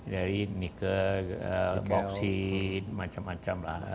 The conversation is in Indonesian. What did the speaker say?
dari nikel boksit macam macam lah